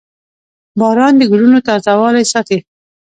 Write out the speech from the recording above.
• باران د ګلونو تازهوالی ساتي.